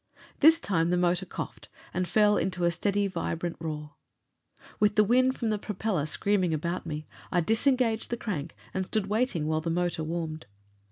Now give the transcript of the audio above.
This time the motor coughed and fell into a steady, vibrant roar. With the wind from the propeller screaming about me, I disengaged the crank and stood waiting while the motor warmed.